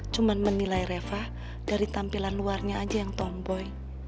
cuma menilai reva dari tampilan luarnya aja yang tomboy